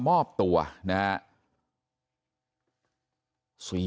มอบตัวนะครับ